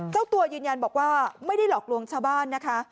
เจ้าตัวยืนยันบอกว่าไม่ได้หลอกลวงชาวบ้านนะคะ